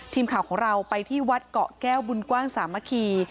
ทีมข่าวของเราไปที่วัดเกาะแก้วบุญกว้างสามัคคี